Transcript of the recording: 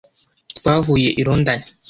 twahuye i Londan.